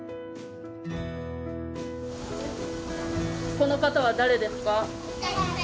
この方は誰ですか？